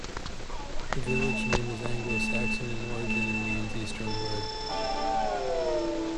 The village name is Anglo-Saxon in origin and means "eastern wood".